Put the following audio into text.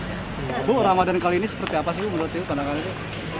bu ramadan kali ini seperti apa sih bu menurutmu pandangan itu